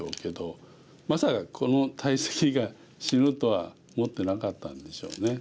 まさかこの大石が死ぬとは思ってなかったんでしょうね。